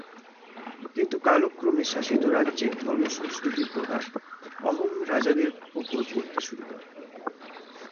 কিন্তু কালক্রমে শাসিত রাজ্যের ধর্ম-সংস্কৃতির প্রভাব অহোম রাজাদের ওপর পড়তে শুরু করে।